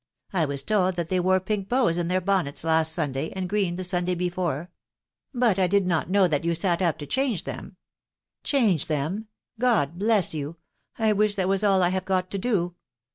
.... I was told that they wore pink bows in their bonnets last Sunday, and green the Sunday before ;.... but I did not know that you sat up to change them." " Change them !...• God bless you !.... I wish that was all I have got to do.